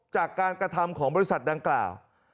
จากการกระทำของบริษัทดังกล่าว